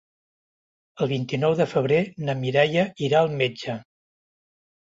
El vint-i-nou de febrer na Mireia irà al metge.